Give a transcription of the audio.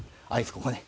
ここね。